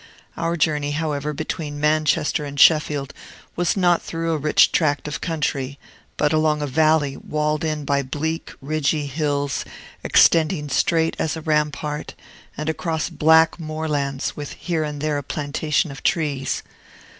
Our journey, however, between Manchester and Sheffield was not through a rich tract of country, but along a valley walled in by bleak, ridgy hills extending straight as a rampart, and across black moorlands with here and there a plantation of trees.